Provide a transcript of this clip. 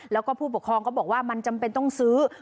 แล้วก็ผู้ปกครองก็บอกว่ามันจำเป็นต้องซื้อ